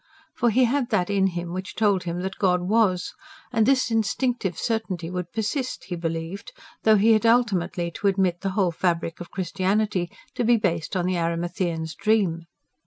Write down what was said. For he had that in him which told him that God was; and this instinctive certainty would persist, he believed, though he had ultimately to admit the whole fabric of Christianity to be based on the Arimathean's dream.